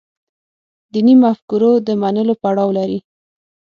دیني مفکورو د منلو پروا لري.